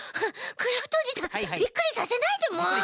クラフトおじさんびっくりさせないでもう！